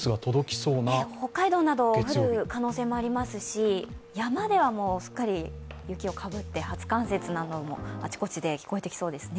月曜日に可能性がありますし山ではすっかり雪をかぶって初冠雪などもあちこちで出てきそうですね。